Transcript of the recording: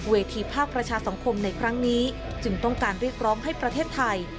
ภาคประชาสังคมในครั้งนี้จึงต้องการเรียกร้องให้ประเทศไทย